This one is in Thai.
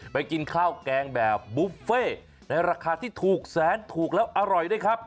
กินข้าวแกงแบบบุฟเฟ่ในราคาที่ถูกแสนถูกแล้วอร่อยด้วยครับ